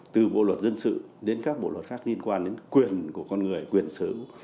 từ bộ luật dân sự đến các bộ luật khác liên quan đến quyền của con người quyền sở hữu